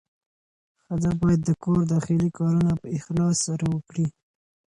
ښځه باید د کور داخلي کارونه په اخلاص سره وکړي.